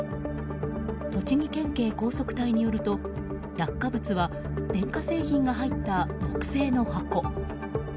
栃木県警高速隊によると落下物は電化製品が入った木製の箱。